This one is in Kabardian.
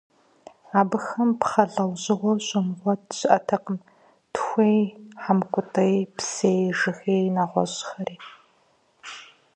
Абыхэм пхъэ лӀэужьыгъуэу щумыгъуэт щыӀэтэкъым: тхуей, хьэмкӀутӀей, псей, жыгей, нэгъуэщӏхэри.